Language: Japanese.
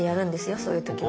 そういう時は。